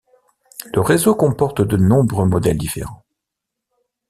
Le réseau comporte de nombreux modèles différents.